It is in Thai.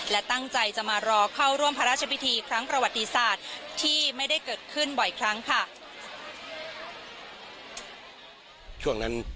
และตั้งใจจะมารอเข้าร่วมพระราชพิธีครั้งประวัติศาสตร์ที่ไม่ได้เกิดขึ้นบ่อยครั้งค่ะ